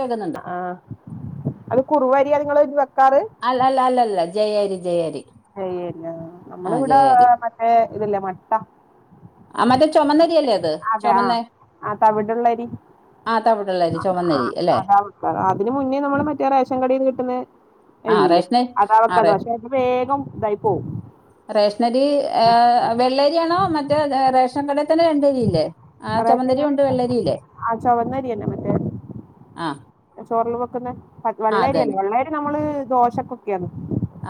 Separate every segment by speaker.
Speaker 1: വേകുന്നുണ്ട്.
Speaker 2: ആഹ് അത് കുറുവരിയ നിങ്ങള് ഇതിന് വെക്കാറ്?
Speaker 1: അല്ല അല്ല അല്ല അല്ല ജയ അരി ജയ അരി.
Speaker 2: അരിനോ നമ്മളിവിടെ മറ്റേ ഇതല്ലേ മട്ട.
Speaker 1: ആഹ് മറ്റേ ചൊമന്ന അരിയല്ലേ അത്
Speaker 2: അതെ
Speaker 1: ചൊമന്നെ?
Speaker 2: ആഹ് തവിട്
Speaker 1: ആഹ് തവിട് ഉള്ള അരി ചുമന്ന അരി അല്ലെ?
Speaker 2: ആ അതിന് മുന്നേ നമ്മള് മറ്റേ റേഷൻ കഡേന്ന് കിട്ടുന്നേ
Speaker 1: ആ
Speaker 2: എരിയില്ലേ
Speaker 1: റേഷനരി
Speaker 2: അത
Speaker 1: ആ
Speaker 2: അവക്ക
Speaker 1: റേ
Speaker 2: പക്ഷെ വേഗം ഇതായി പോവും.
Speaker 1: റേഷനരി ഏഹ് വെള്ളരിയാണോ മറ്റേ റേഷൻ കടേ തന്നെ രണ്ടരിയില്ലേ? ആഹ്
Speaker 2: റേഷൻ
Speaker 1: ചൊമന്നരി ഉണ്ട്
Speaker 2: കടേത്തെ
Speaker 1: വെള്ളരില്ലേ
Speaker 2: ആ ചുവന്നരിയന്നെ മറ്റേ
Speaker 1: ആഹ്.
Speaker 2: ചോറില് വെക്കുന്ന പ വെള്ളേരിയല്ലേ വെള്ളരി നമ്മള് ദോശക്കൊക്കെയാന്ന്.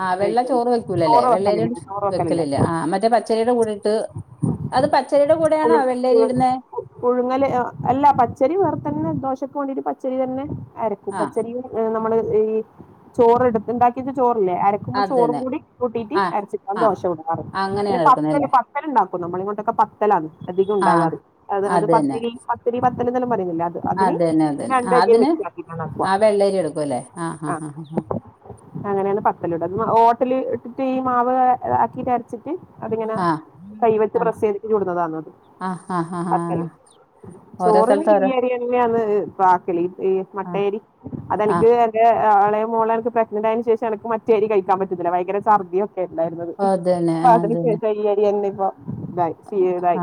Speaker 1: ആഹ് വെള്ള ചോറ് വെക്കൂലല്ലേ വെള്ളെരി കൊണ്ട് വെക്കലില്ല ആഹ് മറ്റേ പച്ചരിടെ കൂടെട്ട്. അത് പച്ചരിടെ കൂടെയാണോ
Speaker 2: പുഴു
Speaker 1: വെള്ള
Speaker 2: പുഴു
Speaker 1: അരി ഇടുന്നേ?
Speaker 2: പുഴുങ്ങല് അ അല്ല പച്ചരി വേറെ തന്നെ ദോശക്ക് വേണ്ടിട്ട് പച്ചരി തന്നെ അരക്കും
Speaker 1: ആ
Speaker 2: പച്ചരി ഏഹ് നമ്മള് ഈ ചോറ് എടുത്ത് ഇണ്ടാക്കിട്ട് ചോറില്ലേ അര ക്ക്‌മൊ
Speaker 1: അത്
Speaker 2: ചോറും
Speaker 1: തന്നെ
Speaker 2: കൂടി കൂട്ടീട്ട്
Speaker 1: ആ
Speaker 2: അരച്ചിട്ടാണ്
Speaker 1: ആ
Speaker 2: ദോശ ചുടാറ് പിന്നെ
Speaker 1: അങ്ങനെയാണ് എടുക്കുന്നത് അല്ലേ
Speaker 2: പത്തല് പ ത്തലുണ്ടാക്കും നമ്മളിങ്ങോട്ടൊക്കെ പത്തലാണ് അധികം
Speaker 1: ആ
Speaker 2: ഇണ്ടാവാറ് അത് അത് പത്തിരി പ ത്തിരി പത്തല്ന്നെല്ലാം പറയുന്നില്ലേ അത്. അതിന്
Speaker 1: അത് ന്നെ അതന്നെ ആഹ്
Speaker 2: രണ്ടരിയും
Speaker 1: അതിന്
Speaker 2: മിക്സ് ആക്കിയിട്ടാണ് ആക്കുക
Speaker 1: ആ വെള്ളരി എടുക്കുംല്ലെ ആഹ് ഹാ ഹാ ഹ ഹ
Speaker 2: അങ്ങനേണ് പത്തല്ട ഓട്ടല് ഇട്ടിട്ട് ഈ മാവ് ആക്കിട്ട് അരച്ച് ട്ട് അതിങ്ങനെ
Speaker 1: ആ
Speaker 2: കൈവെച്ച് പ്രെസ്സെയ്തിട്ട് ചുട്ന്നതാന്നത്
Speaker 1: ആഹ് ആഹ് ഹാ
Speaker 2: പത്തല് ചോറിന് ഈയരിന്നേണ് പ്പാക്കല് ഈ
Speaker 1: ആ
Speaker 2: മട്ടേരി
Speaker 1: ആ
Speaker 2: അതെനിക്ക് അതെന്ക്ക് എളെ മോളെ എനിക്ക് പ്രഗ്നന്റായ ശേഷം എനക്ക് മറ്റേരി കഴിക്കാൻ പറ്റത്തില്ല ഭയങ്കര ഛർദിയും ക്കെണ്ടായിരുന്നത്
Speaker 1: അതന്നെ
Speaker 2: അപ്പ അതിന്
Speaker 1: അതന്നെ
Speaker 2: ശേഷം ഈയരിന്നെപ്പ തായി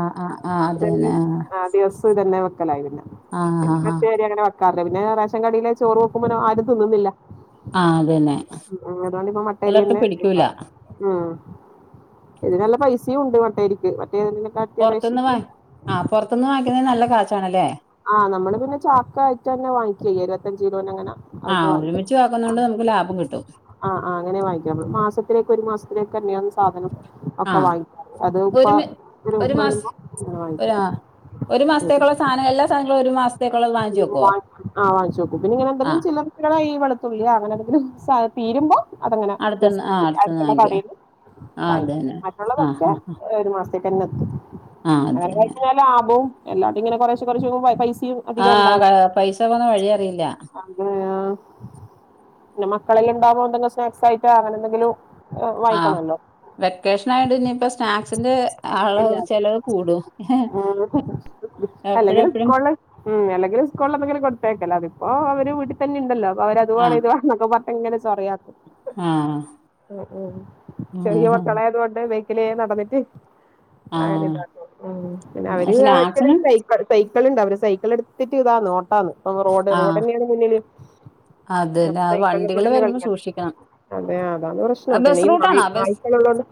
Speaker 1: ആ ആ ആ
Speaker 2: ഇതന്നെ
Speaker 1: അതന്നെ ആ
Speaker 2: ആഹ് ദിവസോ ഇതന്നെ വെ ക്കലായി പിന്നെ.
Speaker 1: ആ ആ
Speaker 2: പിന്നെ മറ്റേഅരി അങ്ങനെ വെക്കാറില്ല പിന്നെ റേഷൻ കടീലെ ചോറ് വെക്കുമ്പോന് ആരും തിന്നുന്നില്ല
Speaker 1: ആ അതന്നെ
Speaker 2: ഉം അതോണ്ട് ഞാ
Speaker 1: ചിലർക്ക്
Speaker 2: മട്ടരിയെന്നെ
Speaker 1: പിടിക്കൂല
Speaker 2: കഴിക്കാറ് ഉം ഇത് നല്ല പൈസീം ഉണ്ട് മട്ടരിക്ക്.
Speaker 1: പൊർത്ത്ന്ന് വാങ്ങി ആഹ് പൊർത്ത്ന്ന് വാങ്ങിക്കുന്നതിന് നല്ല കാശാണ്ല്ലേ
Speaker 2: ആഹ് നമ്മള് പിന്നെ ചാക്കായിട്ടെന്നെ വാങ്ങിക്കല് ഇരുപത്തഞ്ച് കിലോനങ്ങനെ
Speaker 1: ആഹ് ഒരുമിച്ച് വാങ്ങ്ക്കുന്നോണ്ട് നമുക്ക് ലാഭം കിട്ടും
Speaker 2: ആഹ് ആഹ് അങ്ങനെ വാങ്ങിക്കാമ്മള് മാസത്തിലേക്ക് ഒരു മാസത്തിലേക്കെ ന്നെയാ സാധനം
Speaker 1: ആ
Speaker 2: ഒക്കെ വാങ്ങിക്കാറ് അത് ഉപ്പ
Speaker 1: ഒരു മി ഒരു മാസം
Speaker 2: ഒരുപ്പകയ്യുമ്പോ അങ്ങനെ
Speaker 1: ഒരു
Speaker 2: വാങ്ങിക്കും.
Speaker 1: ആ ഒരു മാസത്തേക്കുള്ള സാനം എല്ലാസാനങ്ങളും ഒരു മാസ
Speaker 2: വ്ട്ന്ന് വാങ്ങിക്കും ആഹ് വാങ്ങിച്ച് വെക്കും പിന്നെ ഇങ്ങനെ
Speaker 1: ആ
Speaker 2: എന്തെങ്കിലും ചെയ്യ ക്ക്‌ണതാ ഈ വെളുത്തുള്ളി അങ്ങനെന്തെങ്കിലും സാ തീരുമ്പോ അതങ്ങനെ ജസ്
Speaker 1: അടുത്തുനിന്ന് ആ അടുത്തുനിന്ന്
Speaker 2: അടുത്തുള്ള
Speaker 1: വാങ്ങിക്കുക
Speaker 2: കടേന്ന്
Speaker 1: ആ
Speaker 2: വാങ്ങിക്കും
Speaker 1: അതന്നെ ആ
Speaker 2: മറ്റുള്ളതൊക്കെ
Speaker 1: ആ
Speaker 2: ഒരു മാസ ത്ത്ക്കെന്നെത്തും
Speaker 1: ആ
Speaker 2: അങ്ങനെ
Speaker 1: അതന്നെ
Speaker 2: വാങ്ങിക്ക്‌ന്നതാ ലാഭവും അല്ലാതിങ്ങനെ കൊറേശ്ശെ കൊറേശേ വാങ്ങിക്കുമ്പോ പൈസിം
Speaker 1: ആഹ് ക പൈസ പോണ വഴി അറിയില്ല.
Speaker 2: ആഹ് പിന്നെ മക്കളെല്ലാണ്ടാവുമോ എന്തെങ്കിലും സ്നാക്സിയിട്ടാ അങ്ങനെന്തെങ്കിലും ഇഹ് വാങ്ങിക്കണല്ലോ
Speaker 1: വെക്കേഷനായോണ്ട് ഇനിയിപ്പൊ സ്നാക്സിന്റെ അളവ് ചെലവ് കൂടും.
Speaker 2: അല്ലെങ്കിലു
Speaker 1: എപ്പഴെപ്പഴും
Speaker 2: ഇക്കൊള്ളെ ഉം അല്ലെങ്കിലും സ്കൂൾള്ളപ്പങ്ങനെ കൊടുത്തയക്കലാ അതിപ്പോ അവര് വീട്ടിതന്നിണ്ടല്ലോ അപ്പോ അവരത് വേണം
Speaker 1: ആഹ്
Speaker 2: ഇത് വാ ന്നൊക്കെ പറഞ്ഞിട്ട്ങ്ങനെ ചൊറയാക്കും
Speaker 1: ആഹ്
Speaker 2: അഹ് ആഹ് ചെറിയ
Speaker 1: ആഹ്
Speaker 2: മക്കളായതോണ്ട് വേയ്ക്ക്ലേ നടന്നിട്ട്
Speaker 1: ആഹ്
Speaker 2: അങ്ങനെതാക്കും ഉം പിന്നവര് മറ്റേതും
Speaker 1: സ്നാക്സിന്
Speaker 2: കഴിക്കും അത് സൈക്കള്ണ്ട് അവര് സൈ ക്ക്ള്ട്ത്തിറ്റിതാ ന്നോട്ടാന്ന് റോഡ്
Speaker 1: ആഹ്
Speaker 2: റോഡെന്നേണ് മുന്നില്
Speaker 1: അതന്നെ
Speaker 2: അപ്പൊ
Speaker 1: അത്
Speaker 2: ഇക്കൊല്ലം കൂടെ
Speaker 1: വണ്ടികള് വരുമ്പോ
Speaker 2: കൂടെള്ള
Speaker 1: സൂക്ഷിക്കണം
Speaker 2: [unintelligible] അതെ അതാണ് പ്രശ്നം പിന്നെ
Speaker 1: ബസ്
Speaker 2: ഈ നായ്
Speaker 1: റൂട്ടാണോ ബസ്
Speaker 2: നായ്ക്കളുള്ളോണ്ട്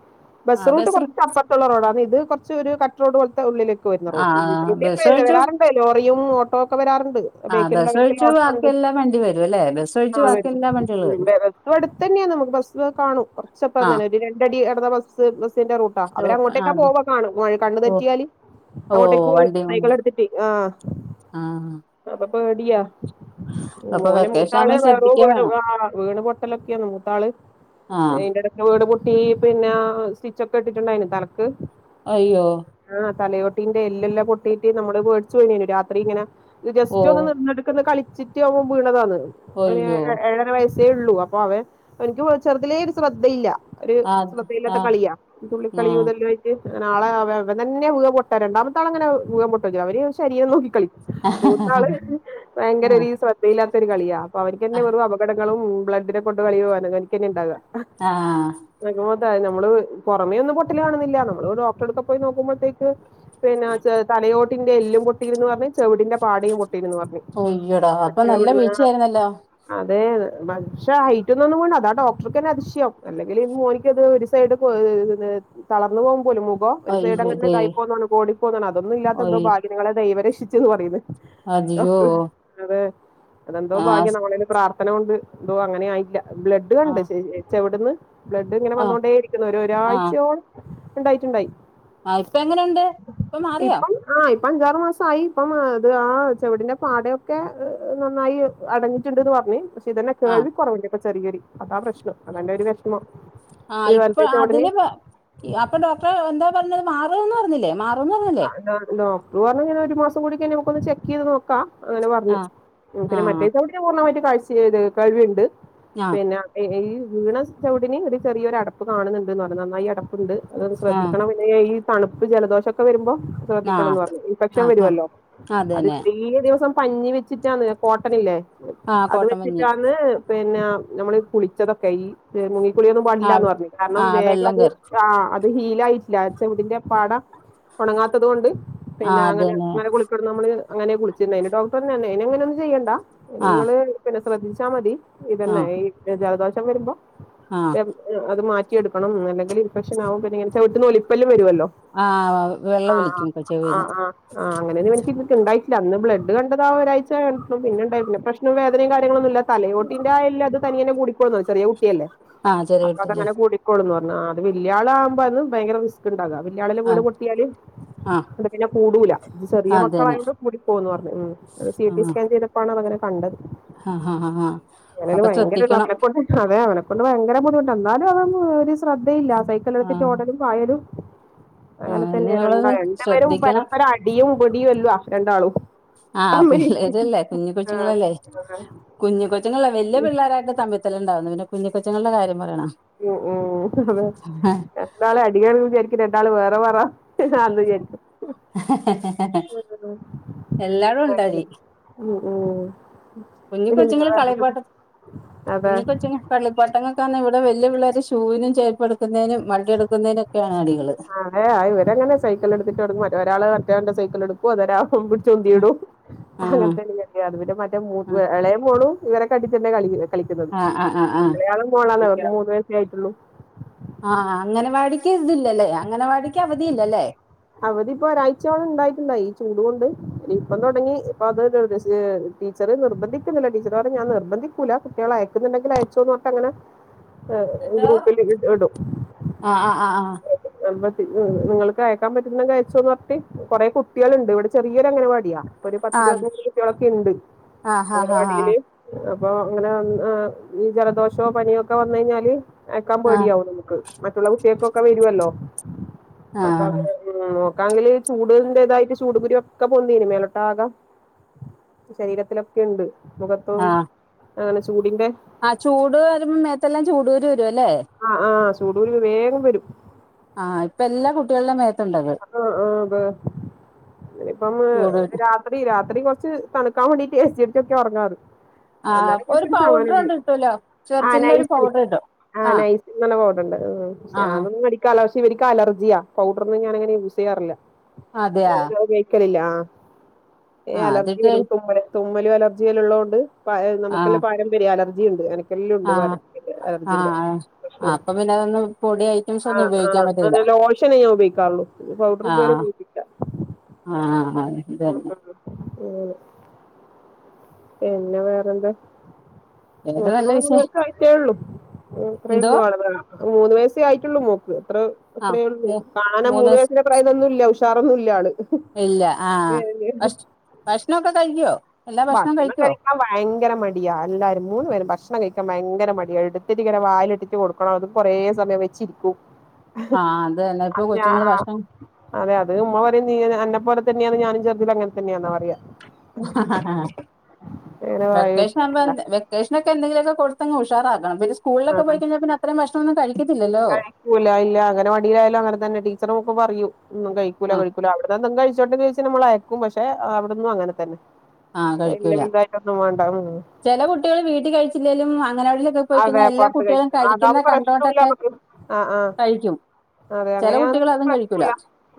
Speaker 2: ബസ് റൂട്ട് കുറച്ച് അപ്പ ത്ത്ള്ള റോഡാണ് ഇത് കുറച്ച് ഒരു കട്ട് റോഡ് പോലത്തെ ഉള്ളിലേക്ക് വരുന്ന റോഡ്
Speaker 1: ആഹ്
Speaker 2: ഇരാണ്ട്
Speaker 1: ബസ് ഒഴിച്ചു
Speaker 2: [unintelligible] ഇപ്പെ ലോറിയും ഓട്ടോ ഒക്കെ വരാറ്ണ്ട്
Speaker 1: ആഹ് ബസ്
Speaker 2: ബേക്കിലുള്ളവർക്ക് എല്ലം
Speaker 1: ഒഴിച്ചു
Speaker 2: ഓട്ടോ
Speaker 1: ബാക്കി
Speaker 2: ഉണ്ട്
Speaker 1: എല്ലാ വണ്ടി വരും അല്ലേ ബസ് ഒഴിച്ച്
Speaker 2: ആഹ്
Speaker 1: ബാക്കി
Speaker 2: വെരും
Speaker 1: എല്ലാ വണ്ടികളും
Speaker 2: ന്ത്
Speaker 1: വരും
Speaker 2: [unintelligible] വിട്ത്തെന്നെയാന്ന് നമുക്ക് ബസ് കാണും കുറച്ചപ്പന്നെ
Speaker 1: ആഹ്
Speaker 2: ഒരു രണ്ടടി നടടന്ന ബസ് ബസിറെ റൂ ട്ടാ
Speaker 1: സ്റ്റോപ്പ് ആ
Speaker 2: അവരങ്ങോട്ടേക്കാ
Speaker 1: അതെ
Speaker 2: പോവ കാണും മോന് കണ്ണു
Speaker 1: ഓഹ്
Speaker 2: തെറ്റിയാല്
Speaker 1: ഓഹ്
Speaker 2: അങ്ങോട്ടേക്ക് പോവും
Speaker 1: വണ്ടി
Speaker 2: സൈക്കിൾ എടുത്തിട്ട് ആഹ്
Speaker 1: ആഹ്
Speaker 2: അപ്പൊ പേടിയാ
Speaker 1: അപ്പൊ
Speaker 2: മോനെ
Speaker 1: വെക്കേഷൻ
Speaker 2: മൂത്താള്
Speaker 1: ആവുമ്പോ
Speaker 2: വ
Speaker 1: ശ്രദ്ധിക്കാൻ
Speaker 2: വീട്
Speaker 1: വേണം
Speaker 2: ആഹ് വ്ണ് പൊട്ടലൊക്കെയാണ് മൂത്താള്
Speaker 1: ആഹ്.
Speaker 2: വ്ണ് പൊട്ടി പിന്നെ സ്റ്റിച്ചൊക്കെ ഇട്ടിട്ടുണ്ടായിന് തലക്ക്.
Speaker 1: അയ്യോ.
Speaker 2: ആഹ് തലയോട്ടീന്റെ എല്ലെല്ലാം പൊട്ടീട്ട് നമ്മള് പേടിച്ചു കഴിഞ്ഞു രാത്രി ഇങ്ങനെ
Speaker 1: ഓ
Speaker 2: ജസ്റ്റ് ഒന്ന് നിന്ന്ട്ട് ക്കന്ന് കളിച്ചിട്ട് അവം വ്ണതാണ് ഓന്
Speaker 1: ഒയ്യോ
Speaker 2: ഏഴര വയസ് ഉള്ളൂ അപ്പൊ അവ എനിക്ക് ചെർതിലേ ഒരു ശ്രദ്ധയില്ല. ഒരു
Speaker 1: അത്
Speaker 2: ശ്രദ്ധയില്ലാത്ത
Speaker 1: ആഹ്
Speaker 2: കളിയാ തുള്ളി
Speaker 1: ആഹ്
Speaker 2: കളിയതെല്ലായി നാളെ അവ അവൻ തന്നെ വ്ഴാ പൊട്ടാ രണ്ടാമത്തെ ആളെങ്ങനെ വ്ഴാം പൊട്ടു [unintelligible] അവന് ശരീരം നോക്കി കളിക്കും. മൂത്താള് ഭയങ്കര
Speaker 1: ആഹ്
Speaker 2: ഒരു ശ്ര യില്ലാത്ത ഒരു കളിയാ അപ്പൊ അവനക്ക്ന്നെ വെറും അപകടങ്ങളും ബ്ലഡിനെ കൊണ്ട് കളിയും അവനിക്കന്നേണ്ടാവാ.
Speaker 1: ആഹ്
Speaker 2: [unintelligible] നമ്മള് പൊറമെയൊന്നും പൊട്ടല് കാണുന്നില്ല നമ്മള് ഒരു ഡോക്ടർടെ അടുത്തൊക്കെ പോയി നോക്കുമ്പോ തേക്ക് പിന്നെ തലയോട്ടിന്റെ എല്ലും പൊട്ടീന്ന് പർഞ്ഞ് ചെവ്ടിന്റെ പാടിയിം പൊട്ടിയിന്ന് പർഞ്ഞ്.
Speaker 1: അയ്യടാ അപ്പൊ നല്ല വീഴ്ച ആയിരുന്നല്ലോ.
Speaker 2: അതെ പക്ഷെ ഹൈറ്റിന്നൊന്നും വീണ് അതാ ഡോക്ടർക്ക് ന്നെ അതിഷ്യം. അല്ലെങ്കില് മോനിക്ക് അത് ഒരു സൈഡ് തളർന്നു പോവും പോലും മോ- അപ്പോ ഒരു സൈഡ്
Speaker 1: അയ്യോ
Speaker 2: അങ്ങനെ
Speaker 1: ദേ
Speaker 2: കൈ പോകന്നതോ കോടി പോകുന്നതണ് അതൊന്നു ഇല്ലാത്ത എന്തോ
Speaker 1: ഒയ്
Speaker 2: ഭാഗ്യം നിങ്ങളെ ദൈവം രക്ഷിച്ചെന്ന് പറയിന്ന്.
Speaker 1: അതിയോ
Speaker 2: അതെ അതെന്തോ ഭാഗ്യം
Speaker 1: ആഹ്
Speaker 2: നമ്മളേല് പ്രാർഥ പ്രാർത്ഥന കൊണ്ട് എന്തോ അങ്ങനെ ആയിട്ടില്ല ബ്ലഡ് കണ്ട്
Speaker 1: ആഹ്
Speaker 2: ചെവിടുന്ന് ബ്ലഡ് ഇങ്ങനെ
Speaker 1: ആഹ്
Speaker 2: വന്നോണ്ടേ ഇരിക്കുന്നു ഒര്
Speaker 1: ആഹ്
Speaker 2: ഒരാഴ്ചയോള ഉണ്ടായിട്ടുണ്ടായി.
Speaker 1: ആഹ് ഇപ്പ എങ്ങനെയുണ്ട് ഇപ്പൊ മാറിയോ?
Speaker 2: ആഹ് ഇപ്പ അഞ്ചാറ് മാ ആയി ഇപ്പം അത് ആ ചെവിടിന്റെ പാടയൊക്കെ നന്നായി അടഞ്ഞിട്ടുണ്ട്ന്ന് പർഞ്ഞ് ഇതന്നെ
Speaker 1: ആഹ്
Speaker 2: കേൾവി കൊറവുണ്ട് ഇപ്പ ചെറിയരു അതാ പ്രശ്നം അതിന്റെ ഒരു വേഷ്മം.
Speaker 1: ആഹ് ഇപ്പ അതിന് ഈ അപ്പൊ ഡോക്ടറെ എന്താ പർഞ്ഞത് മാറൂന്ന് പർഞ്ഞില്ലേ മാറൂന്ന് പർഞ്ഞില്ലേ?
Speaker 2: ഡോ ഡോക്ട്ട്ർ പർഞ്ഞു ഇങ്ങനെ ഒരു മാസം കൂടി കഴിഞ്ഞ് നമുക്കൊന്ന് ചെക്ക്യ്ത് നോക്കാം. അങ്ങനെ പർഞ്ഞു
Speaker 1: ആഹ്
Speaker 2: മൂപര്
Speaker 1: ആഹ്
Speaker 2: മറ്റേ ചോവിട്ടിന് പൂർണ്ണമായിട്ട് കാഴ്ച കേൾവി കേൾവി ഇണ്ട്
Speaker 1: ആഹ്
Speaker 2: പിന്നെ ഈ വ്ണ ചെവിടിന് ഒരു ചെറിയൊരു അടപ്പ് കാണുന്നുണ്ട്ന്ന് പർഞ്ഞു നന്നായി അടപ്പ്ണ്ട് അതു
Speaker 1: ആഹ്
Speaker 2: ശ്രദ്ധിക്കണം ഈ തണുപ്പ് ജലദോഷ ഒക്കെ വരുമ്പോ ശ്രദ്ധിക്കണംന്ന്
Speaker 1: ആഹ്
Speaker 2: പർഞ്ഞു ഇൻഫെക്ഷൻ
Speaker 1: ആഹ് ആഹ്
Speaker 2: വരുവല്ലോ അത്
Speaker 1: അതന്നെ
Speaker 2: ഇത്രേ ദിവസം പഞ്ഞി വെച്ചിട്ടാണ് കോട്ടനില്ലേ
Speaker 1: ആഹ്
Speaker 2: അത്
Speaker 1: കോട്ടൻ മഞ്ഞ്
Speaker 2: വെച്ചിട്ടാണ് പിന്നെ നമ്മള് കുളിച്ചതൊക്കെ ഈ മുങ്ങിക്കുളിയൊന്നും പാടില്ലാന്ന്
Speaker 1: ആഹ്
Speaker 2: പർഞ്ഞു കാര്ണം
Speaker 1: ആഹ്
Speaker 2: വേഗം
Speaker 1: വെള്ളം
Speaker 2: അത്
Speaker 1: കേറി
Speaker 2: ആഹ് ഇത് ഹീലായിട്ടില്ല ചെവ്ടിന്റെ പാട ഒണങ്ങാത്തത് കൊണ്ട് പിന്നെ
Speaker 1: ആഹ് അതന്നെ
Speaker 2: അങ്ങനെങ്ങനെ കുളിക്ക നമ്മള് അങ്ങനെ കുളിച്ചിണ്ടായ്ന്ന് ഡോക്ടർ പർഞ്ഞു ഇനി അങ്ങനൊന്നും ചെയ്യണ്ട
Speaker 1: ആഹ്
Speaker 2: നിങ്ങള് പിന്നെ ശ്രദ്ധിച്ചാ മതി.
Speaker 1: ആഹ്
Speaker 2: ഇതന്നെ ഈ ജലദോഷം വരുമ്പോ
Speaker 1: ആഹ്
Speaker 2: അത് മാറ്റിയെടുക്കണം അല്ലെങ്കില് ഇൻഫെക്ഷൻ ആകും പിന്നെ ചെവിട്ട്ന്ന് ഒലിപ്പെല് വരുവല്ലോ.
Speaker 1: ആഹ് വെള്ള
Speaker 2: ആഹ്
Speaker 1: ഒലിക്കും ഇപ്പോ ചെവീന്ന്.
Speaker 2: ആഹ് ആഹ് ആഹ് അങ്ങനെന്നും ഇവൻക്ക് ഇണ്ടായിട്ടില്ല അന്ന് ബ്ലഡ് കണ്ടതാ ഒരാഴ്ച കണ്ടു പിന്നെണ്ടായിട്ടില്ല ഇൻഫെക്ഷനും വേദനയും കാര്യങ്ങളൊന്നും ഇല്ല തലയോട്ടിന്റെ ആ എല്ല് അത് തനിയനെ കുടിപ്പോവും ചെറിയ കുട്ടിയല്ലേ
Speaker 1: ആഹ്
Speaker 2: അപ്പൊ
Speaker 1: ചെറിവിട്ടില്ലേ
Speaker 2: അതങ്ങനെ കുടി കൂടുന്നു അർണു ആ അത് വല്ല്യളാ വുമ്പോ അത് ഭയങ്ക റിസ്ക്ക് ണ്ടാവാ വല്ല്യാളല്ലേ വീണ്
Speaker 1: ആഹ്
Speaker 2: പൊ പൊട്ടിയാല്
Speaker 1: ആഹ്
Speaker 2: ന്താ പിന്നെ കൂടൂല ചെറിയ
Speaker 1: അതന്നെ
Speaker 2: മക്കളായൊണ്ട് കൂടിപ്പോന്ന് പർഞ് മ്മ്ഹ്. സീട്ടി
Speaker 1: ആഹ്
Speaker 2: സ്കാൻ ചെയ്തപ്പാണ് അതങ്ങനെ കണ്ടത്
Speaker 1: ആഹ് ആഹ് ആഹ്
Speaker 2: എലേലും
Speaker 1: അപ്പൊ
Speaker 2: വയങ്കര
Speaker 1: ശ്രദ്ധിക്കണം
Speaker 2: നേകൊണ്ട് അതെ അവനെക്കൊണ്ട് വയങ്കര ബുദ്ധിമുട്ട എന്നാലു അവ ഒരു ശ്രദ്ധയില്ല സൈക്കൾ എടുത്തിട്ട്
Speaker 1: ആഹ്
Speaker 2: ഓടലും പായലും അങ്ങനെ
Speaker 1: ആഹ് ഇനി
Speaker 2: തന്നെയണ് രണ്ട
Speaker 1: നിങ്ങളത്
Speaker 2: രണ്ട് പേരും
Speaker 1: ശ്രദ്ധിക്കണം
Speaker 2: പരസ്പരം അടിയും പിടിയുംള്ളോ രണ്ടാളും
Speaker 1: ആഹ്
Speaker 2: അമ്മേ
Speaker 1: പിള്ളേരല്ലേ കുഞ്ഞ്
Speaker 2: ആഹ്
Speaker 1: കൊച്ചുങ്ങളല്ലേ കുഞ്ഞ് കൊച്ചുങ്ങളല്ലെ വല്ല്യ പിള്ളോരായിട്ട് തമ്മി ലണ്ടാവന്ന് പിന്നെ കുഞ്ഞ് കൊച്ചുങ്ങളുടെ കാര്യം പറയണ
Speaker 2: ഉം ഉം അതെ രണ്ടാള അടികാണുബോ വിചാരിക്കും രണ്ടാള് വേറെ വറ
Speaker 1: [unintelligible] എല്ലാരുണ്ടടി
Speaker 2: ഉം ഉം
Speaker 1: കുഞ്ഞ്
Speaker 2: പിന്നെ
Speaker 1: കൊച്ചുങ്ങൾ
Speaker 2: വേറെന്ത്
Speaker 1: കളിപ്പാട്ട
Speaker 2: അതെ
Speaker 1: കുഞ്ഞിക്കൊച്ചുങ്ങ ക്കള്ളിപ്പട്ടങ്ങക്കാണെ ഇവിടെ വല്ല്യ പിള്ളേർ ഷുവിനും ചേർപ്പ് എടുക്കുന്നയിനും മണ്ടി എടുക്കുന്നയിനുംക്കെണ് അടികള്
Speaker 2: കൊറേ ആയി ഇവരെങ്ങനെ സൈക്കിള് ഇടുതിട്ട്ടങ്ങും മറ്റ ഒരാൾ മറ്റോന്റെ സൈക്കള് എടുക്കും അതരാൾ അതരാകു ചുന്തിടും
Speaker 1: ആഹ്
Speaker 2: അങ്ങൻത്തെ അത് പിന്നെ മറ്റേ മൂ
Speaker 1: ആഹ്
Speaker 2: എളേ മോളും ഇവരെക്കയിട്ടെന്നെ കളി കളിക്കുന്നത്
Speaker 1: ആഹ് ആഹ്
Speaker 2: മലയാളം പോളാണ്
Speaker 1: ആഹ്
Speaker 2: അവർക്ക് മൂന്ന് വയസേ ആയിട്ടോള്ളൂ
Speaker 1: ആഹ് അംഗനവാടിക്ക് ഇതില്ലലേ അംഗനവാടിക്ക് അവധി ഇല്ലലേ
Speaker 2: അവധി ഇപ്പൊ ഒരാഴ്ചണ്ടായിട്ട്ണ്ടായി ഈ ചൂടകൊണ്ട് ഇപ്പം തോടങ്ങി ഇപ്പൊ അത് അതോരുസിയേ ടീച്ചർ നിർബന്ധിക്കുന്നില്ല ടീച്ചർ പർഞ്ഞ് ഞാൻ നിർബന്ധിക്കൂല കുട്ട്യോളെ അയക്കുന്നുണ്ടെങ്കിൽ അയച്ചോന്നർഞ്ഞിട്ടങ്ങനെ ആഹ്
Speaker 1: എന്തോ
Speaker 2: ഗ്രൂപ്പില് ഇട് ഇടും
Speaker 1: ആഹ് ആഹ് ആഹ് ആഹ്
Speaker 2: നമ്മ [unintelligible] നിങ്ങക്ക് അയക്കാൻ പറ്റുന്നങ്കി അയച്ചോന്നർണിട്ട് കൊറെ കുട്ട്യോൾണ്ട് ഇവിടെ ചെറിയൊരു അങ്ങനവാടിയാ ഒരു പത്തിരുപത്തി മൂന്ന് കുട്ട്യോ ളൊക്കെ ഇണ്ട്
Speaker 1: ആഹ്
Speaker 2: അങ്ങന
Speaker 1: ആഹ് ആഹ് ആഹ്
Speaker 2: വാടിയില് അപ്പൊ ഇങ്ങനെ വന്ന് ഈ ജലദോഷോ പനിയോക്കെ വന്ന് കഴിഞ്ഞാല്. അയക്കാൻ
Speaker 1: ആഹ്
Speaker 2: പേടിയവും നമുക്ക് മറ്റുള്ള കുട്ട്യോൾക്കൊക്കെ വരുവല്ലോ അപ്പൊ
Speaker 1: ആഹ്
Speaker 2: അങ്ങനെ ഉം നോക്കാണ്ങ്കിൽ ചൂടിന്റെതായിട്ട് ചൂട്കുരു ഒക്കെ പൊന്തിന് മേലോട്ട ആകം ശരീരത്തിലൊക്കെണ്ട് മുഖതും
Speaker 1: ആഹ്
Speaker 2: അങ്ങനെ ചൂടിന്റെ
Speaker 1: ആഹ് ചൂട് വരുമ്പോ മേത്തെല്ലാം ചൂടുകൂരു വരുല്ലേ
Speaker 2: ആഹ് ആഹ് ചൂടൂരു വേഗം വരും.
Speaker 1: ആഹ് ഇപ്പ എല്ല കുട്ട്യോളുടെ മെ
Speaker 2: അപ്പൊ ആഹ് അതെ ഇപ്പമ്മള്
Speaker 1: ചൂടൂര്
Speaker 2: രാത്രി അപ്പി രാത്രി കൊറച്ച് തണുക്കാൻ വേണ്ടിട്ട് എസിറ്റൊക്കെ ഒറങ്ങാറ്.
Speaker 1: ആഹ്
Speaker 2: അന്നേര
Speaker 1: ഒരു
Speaker 2: കെച്ചിട്ട്
Speaker 1: പൗഡർ
Speaker 2: സമാനണ്ട
Speaker 1: ഉണ്ട് കിട്ടുവല്ലോ
Speaker 2: ആഹ്
Speaker 1: ചെർച്ചിലിന്റെ ഒരു
Speaker 2: നൈസ്
Speaker 1: പൗഡർ കിട്ടും
Speaker 2: ആഹ് നൈസിങ് എന്ന ബോർണ്ട് ആഹ്
Speaker 1: ആഹ്
Speaker 2: ഞാനൊന്നും മടി. കലോശി എനിക് അലർജിയ ഫൗഡറൊന്നും ഞാനങ്ങനെ യൂസ് ചെയ്യാറില്ല
Speaker 1: അതെയാ
Speaker 2: കലില്ല ആഹ് ഇ
Speaker 1: ആഹ്
Speaker 2: അലർജി
Speaker 1: അതിട്ട്
Speaker 2: വരും തുമ്മല് തുമ്മലും അലർജി എല്ലോള്ളോണ്ട് [unintelligible] നമുക്കെല്ല
Speaker 1: ആഹ്
Speaker 2: പാരമ്പര്യം അലർജിണ്ട് എനിക്കെല്ലാംണ്ട്
Speaker 1: ആഹ്
Speaker 2: പാരമ്പ അർജിണ്ട്
Speaker 1: ആഹ് ആഹ്
Speaker 2: ഉം
Speaker 1: അപ്പൊ പിന്നെ അതൊന്നും പൊടി ഐറ്റംസ് ഒന്നും
Speaker 2: ആഹ്
Speaker 1: ഉപയോഗിക്കാൻ
Speaker 2: ആഹ്
Speaker 1: പറ്റൂല
Speaker 2: അല്ല ലോഷന ഞാൻ ഉപയോഗിക്കാ പൗഡർ ഇതുവരെ
Speaker 1: ആഹ്
Speaker 2: ഉപയോഗി
Speaker 1: ആഹ്
Speaker 2: ഉം,
Speaker 1: അതിന്റെന്നെ
Speaker 2: ഉം പിന്നെ വേറെന്താ.
Speaker 1: വേറെ
Speaker 2: ഓക്പ്പ
Speaker 1: നല്ല
Speaker 2: മൂന്ന്
Speaker 1: വിശേ
Speaker 2: വയസ്സേ ആയിട്ടെ ഒള്ളു ഓത്ര
Speaker 1: എന്തോ
Speaker 2: ഒള്ളു ആള് മൂന്ന് വയസേ ആയിട്ടുള്ളൂ മൊക്ക് എത്രോ.
Speaker 1: ആ
Speaker 2: അത്രേള്ളൂ
Speaker 1: മൂ
Speaker 2: കാണാൻ മൂന്ന് വയസിന്റെ പ്രായതോന്നുല്ല ഉഷാറൊന്നുല്യ ആള്.
Speaker 1: ഇല്ല ആഹ് ഭഷ് ഭഷ്ണക്കെ കഴിക്കുവോ എല്ലാ ഭക്ഷണവും
Speaker 2: ഭക്ഷണം
Speaker 1: കഴിക്കുവോ
Speaker 2: കഴി വയങ്കര മടിയാ എല്ലരും മൂന്ന് പേരും ഭഷ്ണ കഴിക്കാൻ ഭയങ്കര മടിയ എടുത്തിട്ട് ഇങ്ങനെ വായില് ഇട്ടിട്ടു കൊ ആഹ് അതും കൊറേ സമയം വെച്ചിരിക്കു.
Speaker 1: ആഹ് അതന്നെ ഇപ്പൊ കൊച്ചുങ്ങള് ഭഷ്ണം.
Speaker 2: അതെ അത് ഉമ്മ പറയും നീയ് അന്നപോല തന്നെന്ന് ഞാനും ചെർതില് അങ്ങൻതന്നെയാന്ന പറയാ. അങ്ങനെ വായി
Speaker 1: വെക്കേഷ
Speaker 2: വെച്ചിരിക്കല
Speaker 1: വെർതെ വെക്കേഷനക്കെ എന്തെങ്കിലൊക്കെ കൊട്ത്തങ്ങ് ഉഷാറാക്കണം വല് സ്കൂളിലൊക്കെ
Speaker 2: ആ
Speaker 1: പോയിക്കഴ്ഞ്ഞാ പിന്നെ അത്തരം ഭക്ഷണൊന്നും കഴിക്കത്തില്ലല്ലോ
Speaker 2: ക്കൂല ഇല്ല അങ്ങനവാടീലായാലും അങ്ങനെതന്നെ ടീച്ചറും ക്കെ പറയും ഒന്നും കഴിക്കൂല
Speaker 1: ആ
Speaker 2: കഴിക്കൂല [unintelligible] ഇതൊന്നും കഴിച്ചോട്ടെന്ന് വെച്ച് നമ്മളയക്കും പക്ഷെ അവ്ടന്നും അങ്ങനെ തന്നെ
Speaker 1: ആ
Speaker 2: ഇല്ല
Speaker 1: കഴിക്കൂല
Speaker 2: വലുതായിട്ടൊന്നും വേണ്ട ഉം
Speaker 1: ചെലകുട്ടികള് വീട്ടി കഴിച്ചില്ലെലും അംഗനവാടില്
Speaker 2: ആ വേപൊർത്ത് കഴി അതാവുമ്പം പ്രശ്നല്ല്യ
Speaker 1: കണ്ടോണ്ടൊക്കെ
Speaker 2: നമ്മക് ആ ആ
Speaker 1: കഴിക്കും
Speaker 2: അതെ
Speaker 1: ചില കുട്ടികൾ
Speaker 2: അങ്ങനെയാന്നങ്ക്
Speaker 1: അതും
Speaker 2: പ്രശ്
Speaker 1: കഴിക്കൂല
Speaker 2: നൊല്ല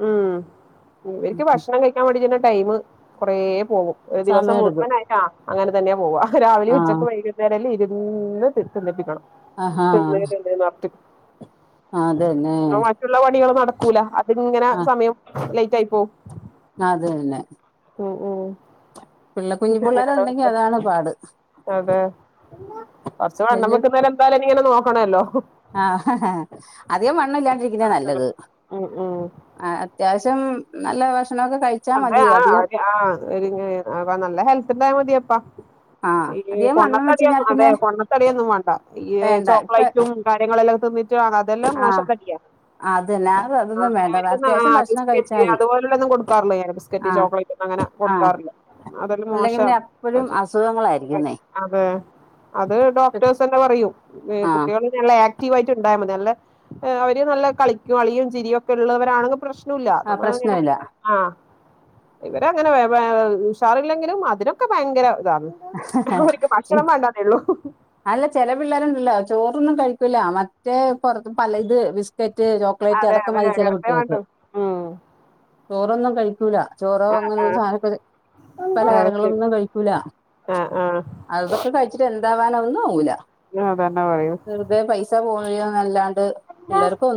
Speaker 2: ഉം ഇവര്ക്ക് ഭക്ഷണംകഴി ക്കാവേണ്ടിട്ടുള്ള ടൈമ് കൊറേ പോവും ഒരു ദിവസം
Speaker 1: സമയം എടുക്കും
Speaker 2: മുഴുവനായിട്ട് ആ അങ്ങനെതന്നെയാ പോവ
Speaker 1: ആ
Speaker 2: രാവിലേം ഉച്ചക്ക് വൈകിട്ട് ആണേൽ ഇരുന്ന് തിന്നിപ്പിക്കണം
Speaker 1: ആഹാ
Speaker 2: തിന്ന് [unintelligible]
Speaker 1: അതെന്നെ
Speaker 2: ക്കുള്ള പണികള് നടക്കൂല അതിങ്ങനെ സമയം ലെയ്റ്റായി പോവും
Speaker 1: അതെന്നെ
Speaker 2: ഉം ഉം [unintelligible]
Speaker 1: കുഞ്ഞു പിള്ളേരുണ്ടെങ്കി അതാണ് പാട്
Speaker 2: അതെ കൊർച് വണ്ണം
Speaker 1: വല്യ
Speaker 2: വെക്കുന്നേരം എന്തായാലിനി ഇങ്ങനെ നോക്കണല്ലോ
Speaker 1: അധികം വണ്ണല്ല്യാണ്ടിരിക്ക്ന്നതാ
Speaker 2: അതെ
Speaker 1: നല്ലത്
Speaker 2: ഉം ഉം
Speaker 1: ആ അത്യാവശ്യം നല്ല ഭക്ഷണൊക്കെ കഴി
Speaker 2: അപ്പയ് ആ ഹെൽത്തി ആ [unintelligible] അപ്പനല്ല ഹെൽത്ത്ണ്ടായാമതി അപ്പാ
Speaker 1: ആഹ്
Speaker 2: ഇയ്യ്
Speaker 1: അധികം വണ്ണം വെച്ച് കഴിഞ്ഞാ
Speaker 2: പൊണ്ണത്തടിയൊന്നും മാണ്ടേ
Speaker 1: പിന്നെ
Speaker 2: പൊണ്ണത്തടിയൊന്നും വാണ്ട ഇയ്യ്
Speaker 1: വേണ്ട ഇപ്പ
Speaker 2: ചോക്ലേറ്റും കാര്യങ്ങളെല്ലാം തിന്നിട്ട് [unintelligible] ല്ലാം
Speaker 1: ആഹ്
Speaker 2: മോശംതടിയ
Speaker 1: അതന്നെ അത്
Speaker 2: ആ
Speaker 1: അതൊന്നും വേണ്ട
Speaker 2: അവര്ക്കൊന്നും
Speaker 1: അത്യാവശ്യം ഭക്ഷണം കഴിച്ചാ
Speaker 2: [unintelligible]
Speaker 1: മതി
Speaker 2: അതുപോലുള്ളൊന്നും കൊട് ക്കാറില്ല ബിസ്ക്കറ്റ്,
Speaker 1: ആഹ്
Speaker 2: ചോക്ലേറ്റ്, ന്നും അങ്ങനെ
Speaker 1: ആഹ്
Speaker 2: കൊടുക്കാറില്ല അതെല്ലാം മോശ
Speaker 1: അല്ലെങ്കി പിന്നെ എപ്പഴും
Speaker 2: അത്
Speaker 1: അസുഖങ്ങളായിരിക്കുന്നേ
Speaker 2: അതെ അത് ഡോക്ടേഴസെന്നെ പറയും ഏ
Speaker 1: ആഹ്
Speaker 2: കുട്ടികള് ള്ളേ ആക്റ്റീവായ്റ്റ് ണ്ടായാമതി നല്ല അവര് നല്ലകളിക്കും കളിയും ചിരിയൊക്കെള്ളവരാണെങ്ക് പ്രശ്നുല്ല
Speaker 1: ആഹ്
Speaker 2: നമ്മള് ങ്ങനെ
Speaker 1: പ്രശ്നമില്ല
Speaker 2: ആ ഇവരങ്ങനെ വെ വെ ഉഷാറില്ലെങ്കിലും അതിനൊക്കെ ഭയങ്കര താന്ന് അവര്ക്ക് ഭക്ഷണം വേണ്ടാന്നേള്ളു
Speaker 1: അല്ല ചെല പിള്ളേരുണ്ടല്ലോ ചോറൊന്നും കഴിക്കൂല മറ്റേ പൊർത് പലത് ബിസ് ക്കറ്റ്, ചോക്ലേറ്റ്,
Speaker 2: അതെ അതെ
Speaker 1: അതൊക്കെമതി ചെല
Speaker 2: അങ്ങനത്തെ
Speaker 1: കുട്ടിയേക്ക്
Speaker 2: വേണ്ടു ഉം
Speaker 1: ചോറൊന്നും കഴിക്കൂല ചോറോ അങ്ങനെള്ള ചായപ്പല
Speaker 2: അത് ശരി
Speaker 1: പലഹാരങ്ങളൊന്നും കഴിക്കൂല
Speaker 2: ആഹ് ആഹ്
Speaker 1: അതൊക്കെ കഴിച്ചിട്ട് എന്താവാനാ ഒന്നും ആവൂല
Speaker 2: ആഹ് അതന്നെ പറയൂ
Speaker 1: വെറുതെ പൈസ പോവയോന്നല്ലാണ്ട് പിള്ളേർക്കൊ